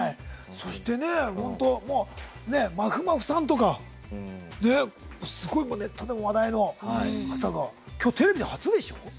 そして、まふまふさんとかすごいネットでも話題の方がきょう、テレビで初でしょ？